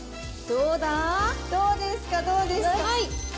どうですか、どうですか。